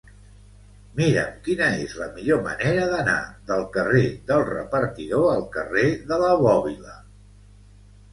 Mira'm quina és la millor manera d'anar del carrer del Repartidor al carrer de la Bòbila.